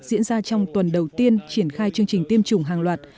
diễn ra trong tuần đầu tiên triển khai chương trình tiêm chủng hàng loạt